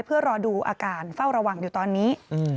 เพื่อรอดูอาการเฝ้าระวังอยู่ตอนนี้